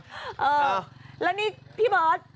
เออแล้วนี่พี่บอส